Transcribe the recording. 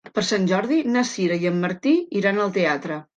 Per Sant Jordi na Sira i en Martí iran al teatre.